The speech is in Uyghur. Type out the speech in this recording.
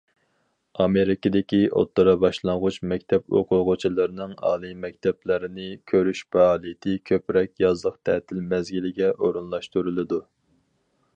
ئامېرىكىدىكى ئوتتۇرا باشلانغۇچ مەكتەپ ئوقۇغۇچىلىرىنىڭ ئالىي مەكتەپلەرنى كۆرۈش پائالىيىتى كۆپرەك يازلىق تەتىل مەزگىلىگە ئورۇنلاشتۇرۇلىدۇ.